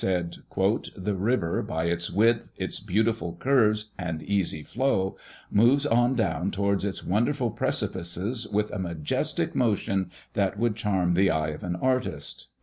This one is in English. ] Of the Yellowstone itself, Hayden said: "The river, by its width, its beautiful curves, and easy flow, moves on down towards its wonderful precipices with a majestic motion that would charm the eye of an artist."